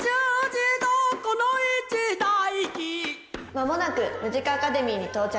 「間もなくムジカ・アカデミーに到着」。